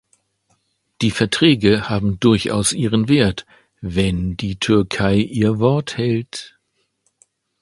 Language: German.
Die Verträge haben durchaus ihren Wert, wenn die Türkei ihr Wort hält.